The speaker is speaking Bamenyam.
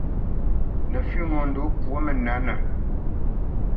Nǝfʉ́ ŋo ndǒ pwo mǝnǝ̌tnǝ.